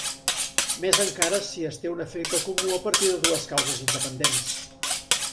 Més encara si es té un efecte comú a partir de dues causes independents.